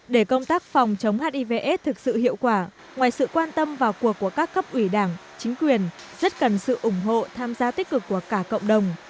để công tác phòng chống hiv s thực sự hiệu quả ngoài sự quan tâm vào cuộc của các cấp ủy đảng chính quyền rất cần sự ủng hộ tham gia tích cực của cả cộng đồng